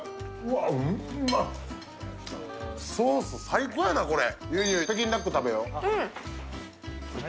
ソース、最高やな、これ。